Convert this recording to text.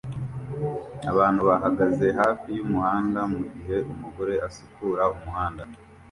Abantu bahagaze hafi yumuhanda mugihe umugore asukura umuhanda